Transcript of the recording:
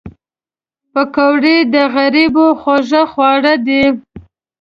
پکورې د غریبو خوږ خواړه دي